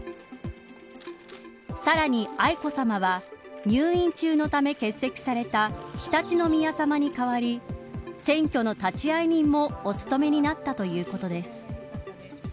さらに愛子さまは入院中のため欠席された常陸宮さまに代わり選挙の立会人もお務めになったということです。